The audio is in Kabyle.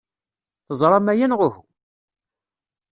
Teẓram aya, neɣ uhu?